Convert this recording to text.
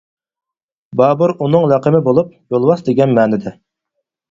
بابۇر ئۇنىڭ لەقىمى بولۇپ، «يولۋاس» دېگەن مەنىدە.